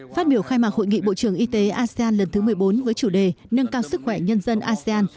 phát biểu khai mạc hội nghị bộ trưởng y tế asean lần thứ một mươi bốn với chủ đề nâng cao sức khỏe nhân dân asean